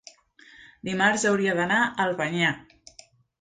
dimarts hauria d'anar a Albanyà.